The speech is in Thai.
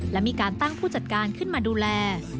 และมีการตั้งผู้จัดการขึ้นมาดูแล